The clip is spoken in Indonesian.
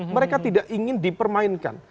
mereka tidak ingin dipermainkan